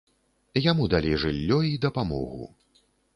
Яму далі жыллё і дапамогу.